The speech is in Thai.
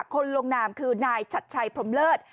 คนลงนามคือนายชัดชัยพรมเลิศ